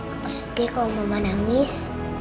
aku setia kalau mama nangis